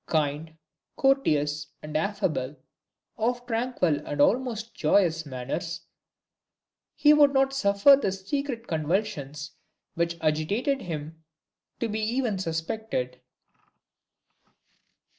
Kind, courteous, and affable, of tranquil and almost joyous manners, he would not suffer the secret convulsions which agitated him to be even suspected.